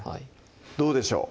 どうでしょう？